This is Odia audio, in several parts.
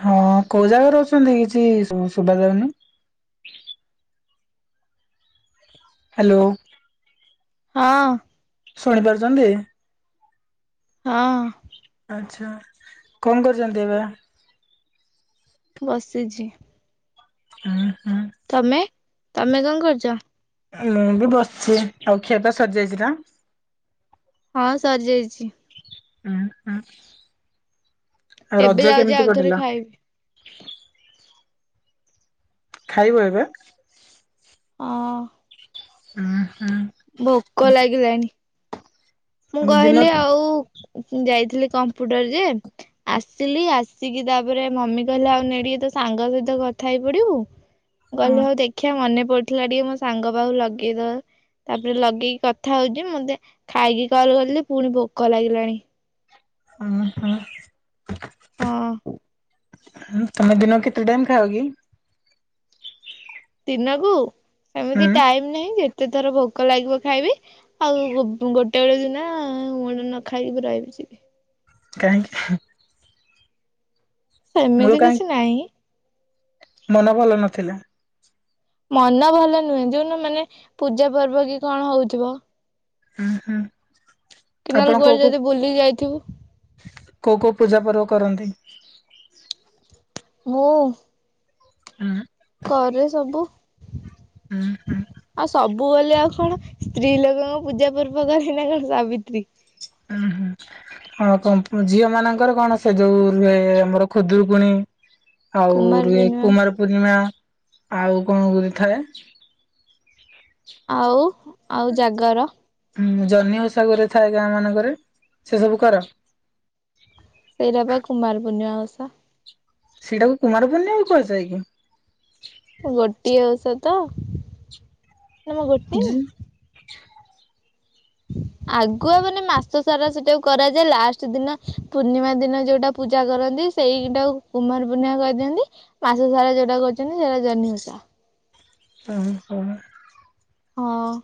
ହଁ କୋଉ ଜାଗାରେ ଅଛନ୍ତି? କିଛି ଶୁ ଶୁଭାଯାଉନି। ହ୍ୟାଲୋ। ହଁ। ଶୁଣି ପାରୁଛନ୍ତି? ହଁ। ଆଚ୍ଛା କଣ କରୁଛନ୍ତି ଏବେ? ବସିଝୀ ହୁଁ ହୁଁ। ତମେ, ତମେ କଣ କରୁଚ? ମୁଁ ବି ବସିଛି, ଆଉ ଖିଆ ପିଆ ସରିଯାଇଛିନା? ହଁ ସରିଯାଇଛି। ହୁଁ ହୁଁ ଆଉ ଏବେ ରଜ ଯାଉଛି କେମିତି ଆଉଥରେ କଟିଲା? ଖାଇବି। ଖାଇବ ଏବେ? ଅଁ। ହୁଁ ହୁଁ। ଭୋକ ଲାଗିଲାଣି। ମୁଁ ତମେ ଦିନ କହିଲି ଉଁ ଆଉ ଯାଇଥିଲି କମ୍ପ୍ୟୁଟର ଯେ ଆସିଲି ଆସିକି ତାପରେ ମମି କହିଲେ ଆଉ ନେ ଟିକେ ତୋ ସାଙ୍ଗ ସହିତ କଥା ହେଇ ପଡିବୁ ମୁଁ କହିଲି ହଉ ଦେଖିଆ ମନେ ପଡ ଥିଲା ଟିକେ ମୋ ସାଙ୍ଗ ପାଖକୁ ଲଗେଇଦବା ତାପରେ ଲଗେଇକି କଥା ହଉଛି ମତେ ଖାଇକି କଲ୍ କଲି ପୁଣି ଭୋକ ଲାଗିଲାଣି। ହଁ ହଁ। ହଁ। ଉଁ ତମେ ଦିନକୁ କେତେ ଟାଇମ୍ ଖାଅକି? ଦିନକୁ ସେମିତି ହୁଁ ଟାଇମ୍ ନାହିଁ ଯେତେ ଥର ଭୋକ ଲାଗିବ ଖାଇବି। ଆଉ ବୁ ଗୋଟେ ଗୋଟେ ଦିନ ମୁଳୁରୁ ନ ଖାଇକି ବି ରହିଯିବି। କାହିଁକି ଖା। ମୋର ସେମିତି କାହିଁ କିଛି ନାହିଁ। ମନ ଭଲ ନଥିଲା। ମନ ଭଲ ନୁହେଁ ଯଉଦିନ ମାନେ ପୂଜା ପର୍ବ କି କଣ ହଉଥିବ। ଉଁ ହୁଁ। କେନାଲ୍ ଆପଣ କୋଉ କୁଆଡ଼େ ଯଦି ବୁଲି ଯାଇଥିବୁ। କଉ କଉ ପୂଜା ପର୍ବ କରନ୍ତି? ମୁଁ। ହୁଁ। କରେ ସବୁ। ଉଁ ହୁଁ। ଆଉ ସବୁ ବୋଲି ଆଉ କଣ ସ୍ତ୍ରୀ ଲୋକଙ୍କ ପୂଜା ପର୍ବ କରେ ନା କଣ ସାବିତ୍ରୀ। ଉଁ ହୁଁ ହ କ ଝିଅ ମାନଙ୍କର କଣ ସେ ଯୋଉ ରୁହେ ଆମର ଖୁଦୁରୁକୁଣୀ। ଆଉ କୁମାର ରୁହେ ପୂର୍ଣ୍ଣିମା କୁମାର ପୂର୍ଣ୍ଣିମା ଆଉ କଣ ଗୁରେ ଥାଏ? ଆଉ ଆଉ ଜାଗର। ହୁଁ ଜହ୍ନିଓସା ଗୁରେ ଥାଏ ଗାଁ ମାନଙ୍କରେ ସେ ସବୁ କର? ସେଇରା ପା କୁମାର ପୁର୍ଣିମା ଓଷା। ସେଇଟା କୁ କୁମାର ପୂଣ୍ଣିମା କୁହାଯାଏ କି? ଗୋଟିଏ ଉଷା ତ ନମ ଗୋଟିଏ ଜି ନା? ଆଗୁଆ ମାନେ ମାସ ସାରା ସେଟା କୁ କରାଯାଏ ଲାଷ୍ଟ ଦିନ ପୂର୍ଣ୍ଣିମା ଦିନ ଯୋଉଟା ପୂଜା କରନ୍ତି ସେଇଟାକୁ କୁମାର ପୂର୍ଣ୍ଣିମା କହିଦିଅନ୍ତି। ମାସ ସାରା ଯୋଉଟା କରୁଛନ୍ତି ସେଟା ଜହ୍ନି ଓଷା। ଓ ହୋ। ହଁ।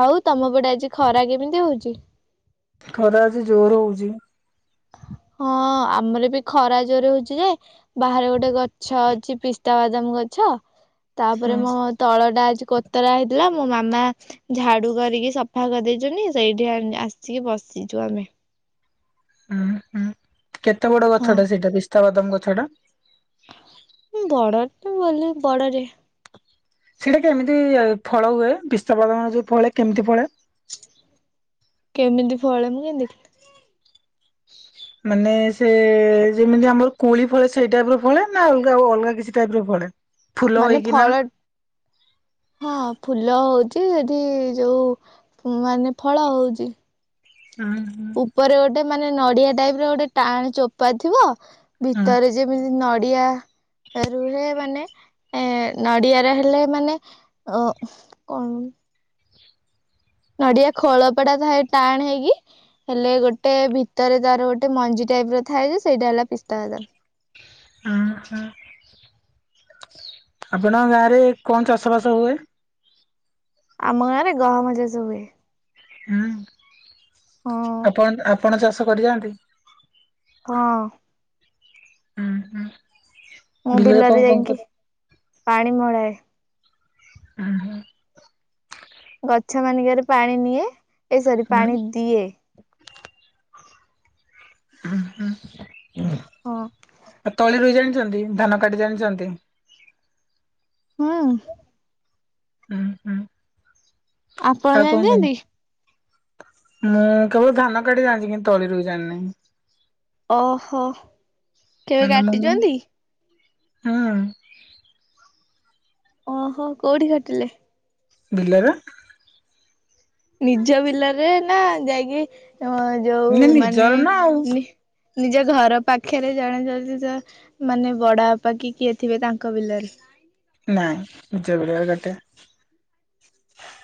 ଆଉ ତମ ପଟେ ଆଜି ଖରା କେମିତି ହଉଛି? ଖରା ଅଜି ଜୋରେ ହଉଛି। ହଁ ଆମର ବି ଖରା ଜୋରେ ହଉଛି ଯେ ବାହାରେ ଗୋଟେ ଗଛ ଅଛି ପିସ୍ତାବାଦାମ ଗଛ ହୁଁ ତାପରେ ମୋ ତଳ ଟା ଆଜି କୋତରା ହେଇଥିଲା ମୋ ମାମା ଝାଡୁ କରିକି ସଫା କରିଦେଇଛନ୍ତି ସେଇଠି ଆ ଆସିକି ବସିଛୁ ଆମେ। ହୁଁ ହୁଁ କେତେ ବଡ ଗଛ ହଁ ଟା ସେଇଟା ପିସ୍ତାବାଦମ ଗଛ ଟା? ଉଁ ବଡ ଟେ ବୋଲି ବଡ ଟେ। ସେଇଟା କେମିତି ଫଳ ହୁଏ ପିସ୍ତାବାଦାମ ଯୋଉ ଫଳେ କେମିତି ଫଳେ? କେମିତି ଫଳେ ମୁଁ କେମିତିି ଦେଖିଲି। ମାନେ ସେ ଯେମିତି ଆମର କୁଳି ଫଳେ ସେଇ ଟାଇପ୍ ର ଫଳେ ନା ଅଲଗା ଅଲଗା କିଛି ଟାଇପ୍ ର ପଳେ। ମାନେ ଫଳ ହଁ ଫୁଲ ହଉଚି ଏଠି ଯୋଉ ମାନେ ଫଳ ହଉଚି। ଆଁ ହାଁ। ଉପରେ ଗୋଟେ ମାନେ ନଡିଆ ଟାଇପ୍ ର ଗୋଟେ ଟାଣ ଚୋପା ଥିବ ହୁଁ ଭିତରେ ଯେମିତି ନଡିଆ ରୁହେ ମାନେ ଏ ନଡିଆର ହେଲେ ମାନେ ଅ କଣ? ନଡିଆ ଖୋଳପାଟା ଥାଏ ଟାଣ ହେଇକି ହେଲେ ଗୋଟେ ଭିତରେ ଯାର ଗୋଟେ ମଞ୍ଜି ଟାଇପ୍ ର ଥାଏ ଯେ ସେଇଟା ହେଲା ପିସ୍ତା ବାଦାମ୍। ଅଁ ହଁ ଆପଣଙ୍କ ଗାଁରେ କଣ ଚାଷବାସ ହୁଏ? ଆମ ଗାଁରେ ଗହମ ଚାଷ ହୁଏ। ହୁଁ ହଁ ଆପଣ ଆପଣ ଚାଷ କରି ଯାଆନ୍ତି? ହଁ। ଉଁ ହୁଁ। ମୁଁ କଣ ବିଲରେ କଣ କର ଯାଇକି ପାଣି ମଳାଏ। ହୁଁ ହୁଁ ଗଛ ମାନିକରେ ପାଣି ନିଏ ଏ ସରି ହୁଁ ପାଣି ଦିଏ। ହଁ ହଁ। ହୁଁ ତଳି ରୁଇ ଜାଣିଚନ୍ତି ଧାନ କାଟି ଜାଣିଚନ୍ତି? ହଁ। ଉଁ ହୁଁ ଆପଣ ଆଉ କଣ ଜାଣିଛନ୍ତି? କୁହନ୍ତି? ମୁଁ କେବଳ ଧାନ କାଟିି ଜାଣିଚି କିନ୍ତୁ ତଳି ରୁଇ ଜାଣି ନାହିଁ। ଓହୋ। କେବେ ସାନ ମାମୁ କାଟିଛନ୍ତି? ହଁ। ଓହୋ କୋଉଠି କାଟିଲେ? ବିଲରେ। ନିଜ ବିଲରେ ନା ଯାଇକି ଅଁ ଯୋଉ ନିଜର ମାନେ ନା ଆଉ ନିଜ ଘର ପାଖରେ ଜଣେ ଯଦି ଯ ମାନେ ବଡ ବାପା କି କିଏ ଥିବେ ତାଙ୍କ ବିଲରେ। ନାଇଁ ନିଜ ବିଲରେ କାଟେ।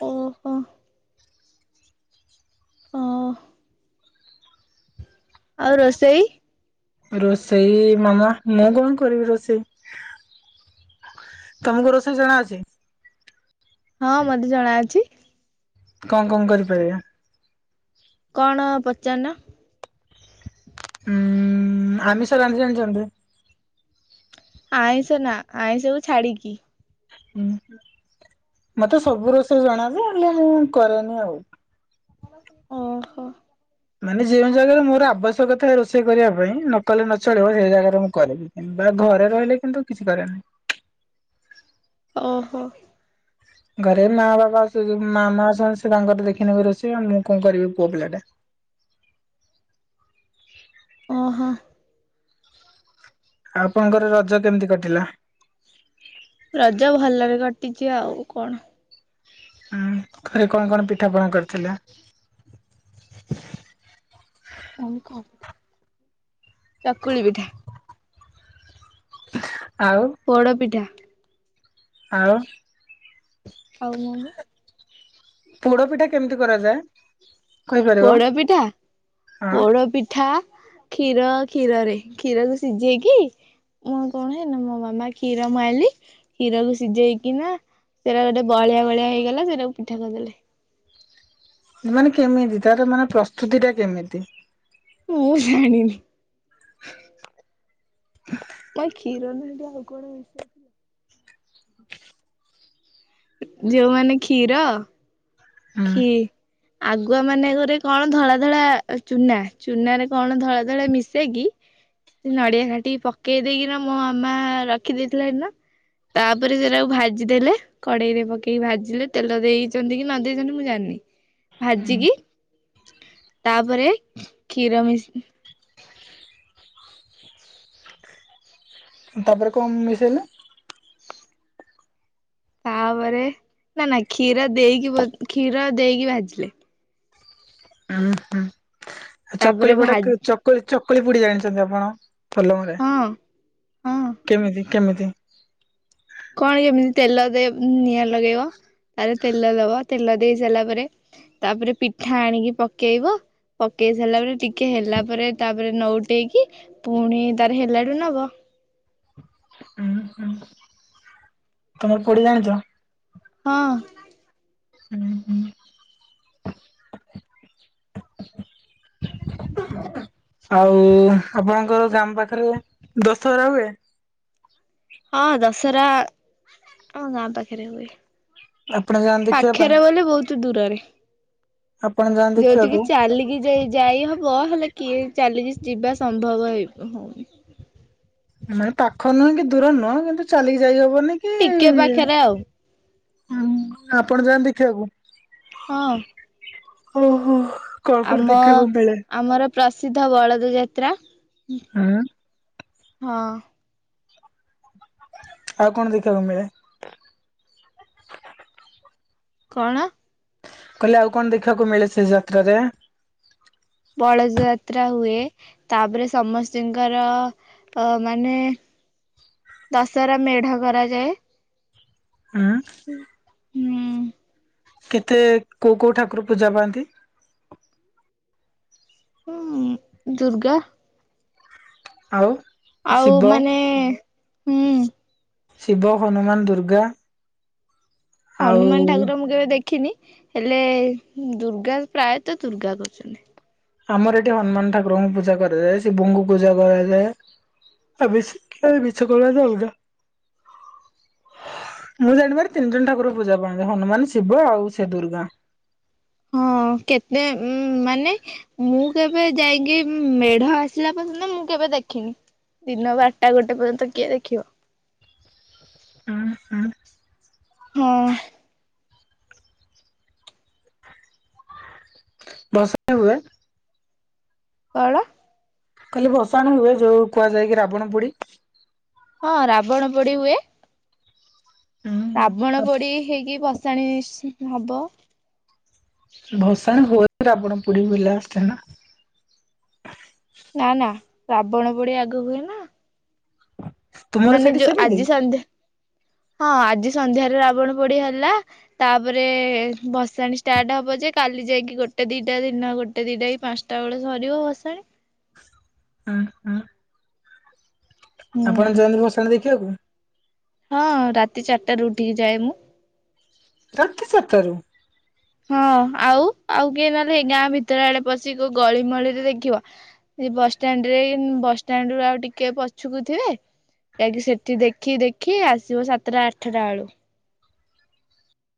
ଓହୋ। ହଁ। ଆଉ ରୋଷେଇ? ରୋଷେଇ ମାମା ମୁଁ କଣ କରିବି ରୋଷେଇ? ତମୁକୁ ରୋଷେଇ ଜଣା ଅଛି? ହଁ ମତେ ଜଣାଅଛି। କଣ କଣ କରିପାରିବା? କଣ ପଚାରନ? ଉଁ ଆମିଷ ରାନ୍ଧି ଜାଣିଚନ୍ତି? ଆଇଁଷ ନା ଆଇଁଷକୁୁ ଛାଡିକି। ଉଁ ମତେ ସବୁ ରୋଷେ ଜଣା ଯେ ହେଲେ ମୁଁ କରେନି ଆଉ। ଓହୋ। ମାନେ ଯେଉଁ ଜାଗାରେ ମୋର ଆବଶ୍ୟକତା ରୋଷେଇ କରିବା ପାଇଁ ନ କଲେ ନ ଚଳିବ ସେଇ ଜାଗାରେ ମୁଁ କରିବି। ବେଳେ ଘରେ ରହିଲେ କିନ୍ତୁ କିଛି କରେନାହିଁ। ଓହୋ। ଘରେ ମା ବାପା ସେ ଯୋ ମାମା ଅଛନ୍ତି ସେ ତାଙ୍କର ଦେଖିନେବେ ରୋଷେଇ ଆଉ ମୁଁ କଣ କରିବି ପୁଅ ପିଲାଟା। ଓହଁ। ଆପଣଙ୍କର ରଜ କେମିତି କଟିଲା? ରଜ ଭଲରେ କଟିଚି ଆଉ କଣ? ହୁଁ ଘରେ କଣ କଣ ପିଠା ପଣା କରିଥିଲ? ରମ୍ କ? ଚକୁଳି ପିଠା। ଆଉ। ପୋଡପିଠା। ଆଉ। ଆଉ ମୋମୋ। ପୋଡ ପିଠା କେମତି କରାଯାଏ। କହିପାରିବ? ପୋଡପିଠା ହଁ ପୋଡପିଠା କ୍ଷୀର କ୍ଷୀରରେ କ୍ଷୀରକୁୁ ସିଜେଇକି ମୁଁ କଣ ହେନା ମୋ ମାମା କ୍ଷୀର ମୁଁ ଆଣଲି। କ୍ଷୀରକୁ ସିଜେଇକିନା ସେଇରା ଗୋଟେ ବହଳିଆ ବହଳିଆ ହେଇଗଲା ସେଇରାକୁ ପିଠା କରିଦେଲେ। ମାନେ କେମିତି ତାର ମାନେ ପ୍ରସ୍ତୁତିଟା କେମିତି। ମୁଁ ଜାଣିିନି। [inaudible] କାଇଁ କ୍ଷୀର ନୁହେଁ ତ ଆଉ କଣ ମିଶେଇଥିଲା। ଯୋଉମାନେ କ୍ଷୀର ହୁଁ। ଖି ଆଗୁଆ ମାନେ ଗୁରେ କଣ ଧଳା ଧଳା ଚୁନା ଚୁନାରେ କଣ ଧଳା ଧଳା ମିଶେଇକି ସେ ନଡିଆ ଘାଟିକି ପକେଇ ଦେଇକି ନା ମୋ ମାମା ରଖିଦେଇଥିଲା ସେଦିନ। ତାପରେ ସେଇରାକୁ ଭାଜି ଦେଲେ କଡେଇରେ ପକେଇକି ଭାଜିଲେ ତେଲ ଦେଇଛନ୍ତି କି ନ ଦେଇଛନ୍ତି ମୁଁ ଜାଣିନି ହୁଁ ଭାଜିକି ତାପରେ କ୍ଷୀର ମିଶ୍ ଉଁ ତାପରେ କଁ ମିଶେଇଲେ। ତାପରେ ନା ନା କ୍ଷୀର ଦେଇକି ବୋ କ୍ଷୀର ଦେଇକି ଭାଜିଲେ। ଉଁ ହୁଁ ତାପରେ ଚକୁଳି ପୋଡା କ ଭାଜି ଚକୁଳି ଚକୁଳି ପୁଡି ଜାଣିଛନ୍ତି ଆପଣ। ପଲମରେ ହଁ ହଁ କେମିତି କେମିତି। କଁ ଏମିତି ତେଲ ଦେବ୍ ଉଁ ନିଆଁ ଲଗେଇବ ତାପରେ ତେଲ ଦବ ତେଲ ଦେଇ ସାରିଲା ପରେ ତାପରେ ପିଠା ଆଣିକି ପକେଇବ। ପକେଇ ସାରିଲା ପରେ ଟିକେ ହେଲା ପରେ ତାପରେ ନୋଉଟେଇକି ପୁଣି ତାର ହେଲାଠୁ ନବ। ଉଁ ହୁଁ ତମେ ପୋଡି ଜାଣିଚ। ହଁ। ହୁଁ ହୁଁ। [inaudible] ଆଉ ଆପଣଙ୍କର ଗାମ୍ ପାଖେରେ ଦଶହରା ହୁଏ। ହଁ ଦଶହରା ଆମ ଗାଁ ପାଖେରେ ହୁଏ। ଆପଣ ଯାଆନ୍ତି ଦେଖିବା ପାଇଁ? ପାଖେରେ ବୋଲି ବୋହୁତୁ ଦୂରରେ। ଆପଣ ଯା ଯୋଉଠିକି ଚାଲିକି ଯାଇ ଯାଇ ହ ବ ହେଲେ କିଏ ଚାଲିିକ ଯିବା ସମ୍ଭବ ହେବ ହଉନି। ମାନେ ପାଖ ନୁହେଁ କି ଦୂର ନୁହଁ କିନ୍ତୁ ଚାଲିକି ଯାଇ ହବନି। ଟିକେ ପାଖେରେ ଆଉ। ଉଁ ଆପଣ ଯାଆନ୍ତି ଦେଖିଆକୁ। ହଁ। ଓହୋ। କଣ କଣ ଆମ ଦେଖିବାକୁ ମିଳେ? ଆମର ପ୍ରସିଦ୍ଧ ବଳଦ ଯାତ୍ରା ଉଁ ହୁଁ ହଁ। ଆଉ କଣ ଦେଖିବାକୁ ମିଳେ। କଣ? କହିଲି ଆଉ କଣ ଦେଖିବାକୁ ମିଳେ ସେ ଯାତ୍ରାରେ। ବଳଯାତ୍ରା ହୁଏ ତାପରେ ସମସ୍ତିଙ୍କର ଅ ମାନେ ଦଶହରା ମେଢ କରାଯାଏ। ହୁଁ। ଉଁ ହୁଁ। କେତେ କୋଉ କୋଉ ଠାକୁର ପୂଜା ପାଆନ୍ତି? ହୁଁ ଦୁର୍ଗା। ଆଉ? ଆଉ ଶିବ ମାନେ ହୁଁ। ଶିବ, ହନୁମାନ, ଦୁର୍ଗା। ଆଉ ହନୁମାନ ଠାକୁର ମୁଁ କେବେ ଦେଖିନି ହେଲେ ଦୁର୍ଗା ପ୍ରାୟତଃ ଦୁର୍ଗା କରୁଚନ୍ତି। ଆମର ଏଠି ହନୁମାନ ଠାରଙ୍କୁ ପୂଜା କରାଯାଏ ଶିବଙ୍କୁ ପୂଜା କରାଯାଏ। ଆଉ ବେଶୀ କିଏ ବି ମିଛ କହିବାଟା ଅଲଗା। ମୁଁ ଜାଣିିବାରେ ତିନି ଜଣ ଠାକୁର ପୂଜା ପାଆନ୍ତି ହନୁମାନ ଶିବ ଆଉ ସେ ଦୁର୍ଗା। ହଁ କେତେ ଉଁ ମାନେ ମୁଁ କେବେ ଯାଇକି ମେଢ଼ ଆସିଲା ପର୍ଯ୍ୟନ୍ତ ମୁଁ କେବେ ଦେଖିନି। ଦିନ ବାରଟା ଗୋଟେ ପର୍ଯ୍ୟନ୍ତ କିଏ ଦେଖିବ? ଅଁ ହଁ। ହଁ। ଭାଶାଣି ହୁଏ। ଅଳ? କହିଲି ଭଷାଣି ହୁଏ ଯୋଉ କୁହାଯାଏ କି ରାବଣ ପୋଡ଼ି। ହଁ ରାବଣ ପୋଡ଼ି ହୁଏ। ରାବଣ ହୁଁ ପୋଡ଼ି ହେଇକି ଭସାଣି ନିଶ୍ଚିତ୍ ହବ। ଭସାଣି ହୁଏ ରାବଣ ପୋଡ଼ି ହୁଏ ଲାଷ୍ଟେ ନା। ନାଁ ନାଁ ରାବଣ ପୋଡ଼ି ଆଗ ହୁଏ ନା। ତୁମର ମାନେ ସେଠି ଯୋଉ ସେମିତି ଆଜି ସନ୍ଧ୍ୟା ହଁ ଆଜି ସନ୍ଧ୍ୟାରେ ରାବଣ ପୋଡ଼ି ହେଲା। ତାପରେ ଭସାଣି ଷ୍ଟାର୍ଟ ହବ ଯେ କାଲି ଯାଇକି ଗୋଟେ ଦିଟା ଦିନ ଗୋଟେ ଦିଟା କି ପାଁଶ ଟା ଅଳେ ସରିବ ଭସାଣି। ହଁ ହଁ। ହୁଁ ଆପଣ ଯାଆନ୍ତି ଭସାଣି ଦେଖିବାକୁ? ହଁ ରାତି ଚାରିଟାରୁ ଉଠିକି ଯାଏ ମୁଁ। ରାତି ଚାରଟାରୁ? ହଁ ଆଉ ଆଉ କିଏ ନହେଲେ ଗାଁ ଭିତରେ ଆଡ଼େ ପଶି କୋଉ ଗଳିମଳିରେ ଦେଖିବ? ଏଇ ବସଷ୍ଟାଣ୍ଡ୍ ରେ ବସଷ୍ଟାଣ୍ଡ୍ ରୁ ଆଉ ଟିକେ ପଛୁକୁ ଥିବେ ଏଇଠି ସେଠି ଦେଖି ଦେଖି ଆସିବୁ ସାତଟା ଆଠଟା ଅଳୁ।